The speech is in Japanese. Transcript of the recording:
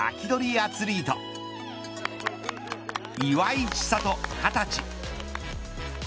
アツリート岩井千怜２０歳。